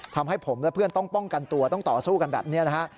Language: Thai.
ทำให้ผมและเพื่อนต้องป้องกันตัวต้องต่อสู้กันแบบนี้นะฮะ